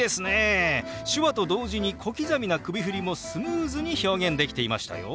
手話と同時に小刻みな首振りもスムーズに表現できていましたよ。